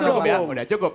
cukup ya udah cukup